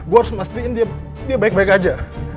gue harus memastikan dia baik baik aja